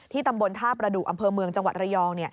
ที่ตำบลทาบบรดุอำเภอเมืองจังหวัดระยอง